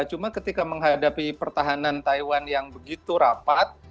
cuma ketika menghadapi pertahanan taiwan yang begitu rapat